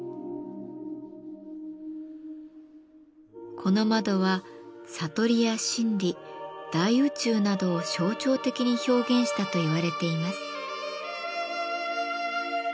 この窓は悟りや真理大宇宙などを象徴的に表現したと言われています。